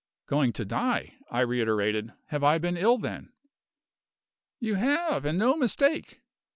"Going to die!" I reiterated. "Have I been ill, then?" "You have, and no mistake!"